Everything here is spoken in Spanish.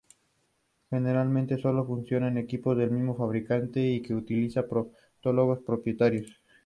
Generalmente solo funciona en equipos del mismo fabricante ya que utiliza protocolos propietarios.